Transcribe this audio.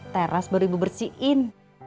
teras baru ibu bersihin